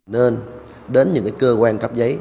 nên đến những cơ quan cắp giấy